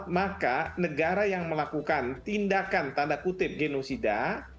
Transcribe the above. maka negara yang melakukan tindakan tanda kutip genosida